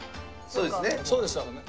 そうです多分ね。